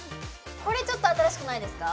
これちょっと新しくないですか？